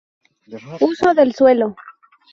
Uso del Suelo.